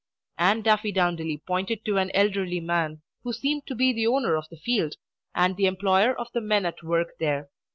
And Daffydowndilly pointed to an elderly man, who seemed to be the owner of the field, and the employer of the men at work there.